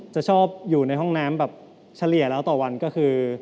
จะชอบอยู่ในห้องน้ำแบบเฉลี่ยแล้วต่อวันก็คือ